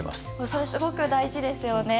それ、すごく大事ですよね。